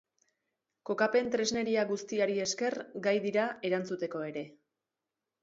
Kokapen tresneria guztiari esker gai dira erantzuteko ere.